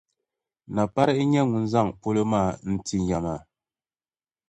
Napari n-nyɛ ŋun zaŋ polo maa n ti ya maa.